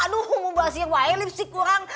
aduh ngobah siar wahai lipstick orang